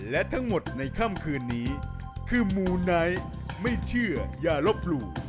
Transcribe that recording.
และทั้งหมดในค่ำคืนนี้คือมูไนท์ไม่เชื่ออย่าลบหลู่